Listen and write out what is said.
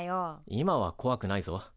今はこわくないぞ。